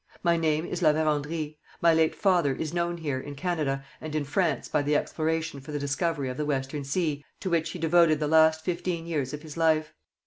My name is La Vérendrye; my late father is known here [in Canada] and in France by the exploration for the discovery of the Western Sea to which he devoted the last fifteen years of his life.